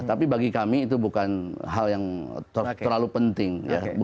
tapi bagi kami itu bukan hal yang terlalu penting ya